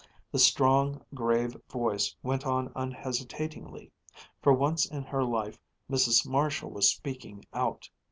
The strong, grave voice went on unhesitatingly. For once in her life Mrs. Marshall was speaking out.